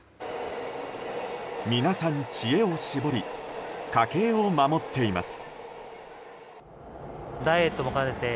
皆さん、知恵を絞り家計を守っています。